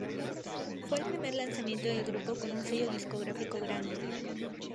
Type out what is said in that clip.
Fue el primer lanzamiento del grupo con un sello discográfico grande.